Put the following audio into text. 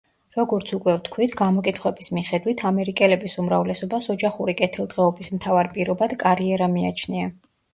როგორც უკვე ვთქვით, გამოკითხვების მიხედვით, ამერიკელების უმრავლესობას ოჯახური კეთილდღეობის მთავარ პირობად კარიერა მიაჩნია.